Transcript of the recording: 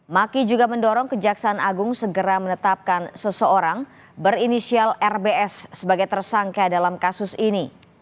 maki juga mendorong kejaksaan agung segera menetapkan seseorang berinisial rbs sebagai tersangka dalam kasus ini